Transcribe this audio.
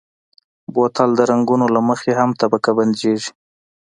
بوتل د رنګونو له مخې هم طبقه بندېږي.